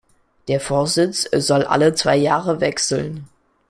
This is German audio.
Der Vorsitz soll alle zwei Jahre wechseln.